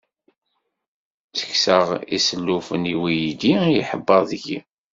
Ttekkseɣ isellufen i waydi, ihebber deg-i.